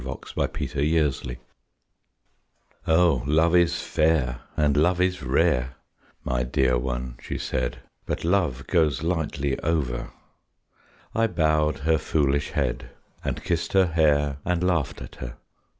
THERE'S WISDOM IN WOMEN "Oh love is fair, and love is rare;" my dear one she said, "But love goes lightly over." I bowed her foolish head, And kissed her hair and laughed at her.